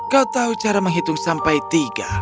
kau tahu cara menghitung sampai tiga